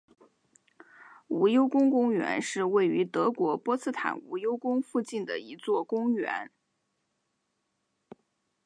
无忧宫公园是位于德国波茨坦无忧宫附近的一座公园。